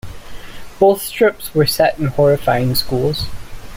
Both strips were set in horrifying schools.